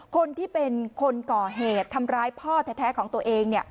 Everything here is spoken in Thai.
คนที่เป็นคนก่อเหตุทำร้ายพ่อแท้ของตัวเอง